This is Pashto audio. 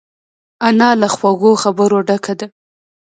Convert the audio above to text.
انا له خوږو خبرو ډکه ده